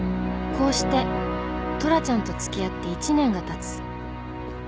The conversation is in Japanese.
こうしてトラちゃんと付き合って１年が経つ